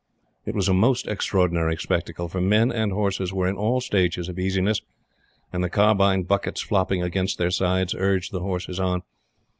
It was a most extraordinary spectacle, for men and horses were in all stages of easiness, and the carbine buckets flopping against their sides urged the horses on.